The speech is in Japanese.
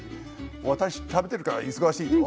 私食べてるから忙しいと？